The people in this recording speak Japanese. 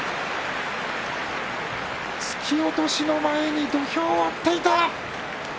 突き落としの前に土俵を割っていた。